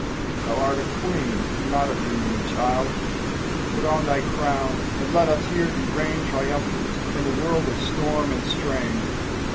Thou art a Queen and not a dreaming child, Put on thy crown and let us hear thee reign Triumphant in a world of storm and strain!